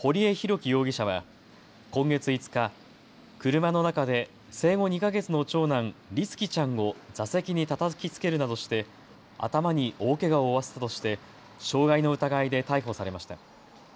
輝容疑者は今月５日、車の中で生後２か月の長男、律希ちゃんを座席にたたきつけるなどして頭に大けが負わせたとして傷害の疑いで逮捕されました。